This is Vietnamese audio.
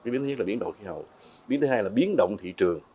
biến thứ nhất là biến động khí hậu biến thứ hai là biến động thị trường